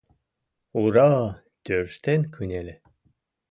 «Ура-а! — тӧрштен кынеле.